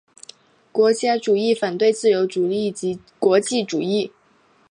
国家主义反对自由主义及国际主义。